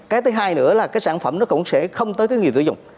cái thứ hai nữa là cái sản phẩm nó cũng sẽ không tới cái người sử dụng